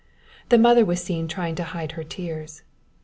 The mother was seen trying to hide her tears.